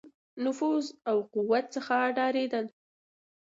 نفوذ او قوت څخه ډارېدل.